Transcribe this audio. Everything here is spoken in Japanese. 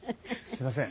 すいません。